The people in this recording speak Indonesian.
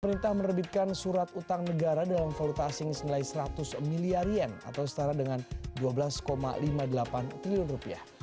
pemerintah menerbitkan surat utang negara dalam valuta asing senilai seratus miliar yen atau setara dengan dua belas lima puluh delapan triliun rupiah